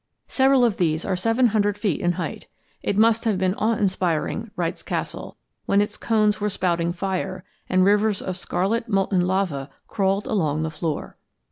Several of these are seven hundred feet in height. "It must have been awe inspiring," writes Castle, "when its cones were spouting fire, and rivers of scarlet molten lava crawled along the floor."